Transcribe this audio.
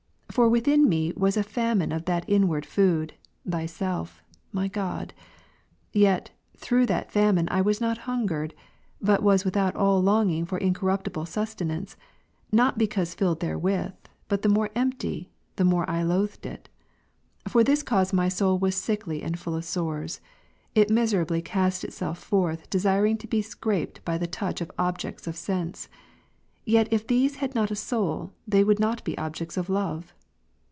For within me was a famine of that inward food. Thyself, my God ; yet, through that famine I was not hungered ; but was without all longing for incorruptible sustenance, not be cause filled therewith, but the more empty, the more I loathed it. For this cause my soul was sickly and full of sores, it miserably cast itself forth, desiring to be scraped by the touch ■ of objects of sense. Yet if these had not a soul, they would not be objects of love.